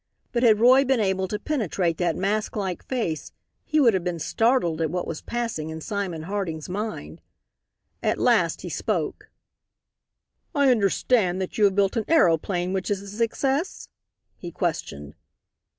But had Roy been able to penetrate that mask like face he would have been startled at what was passing in Simon Harding's mind. At last he spoke: "I understand that you have built an aeroplane which is a success?" he questioned.